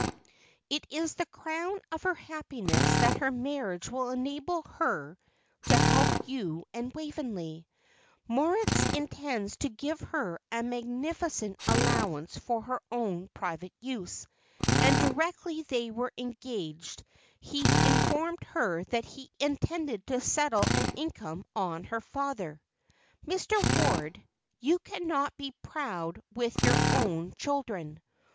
It is the crown of her happiness that her marriage will enable her to help you and Waveney. Moritz intends to give her a magnificent allowance for her own private use, and directly they were engaged he informed her that he intended to settle an income on her father. Mr. Ward, you cannot be proud with your own children.